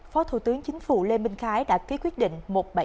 phó thủ tướng chính phủ lê minh khái đã ký quyết định